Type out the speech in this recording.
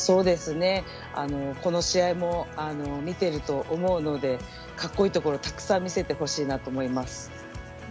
この試合も見てると思うのでかっこいいところをたくさん見せてほしいなと思います。